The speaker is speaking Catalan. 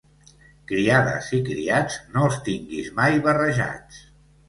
Criades i criats no els tinguis mai barrejats.